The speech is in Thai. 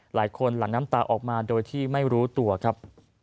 หลังน้ำตาออกมาโดยที่ไม่รู้ตัวครับ